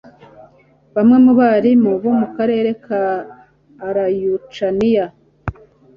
Bamwe mu barimu bo mu karere ka Araucanía